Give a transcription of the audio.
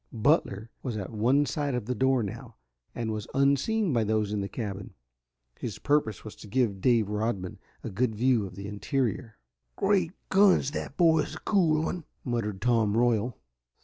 Butler was at one side of the door now, and was unseen by those in the cabin. His purpose was to give Dave Rodman a good view of the interior. "Great guns but that boy is a cool one!" muttered Tom Royal.